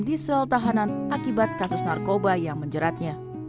disel tahanan akibat kasus narkoba yang menjeratnya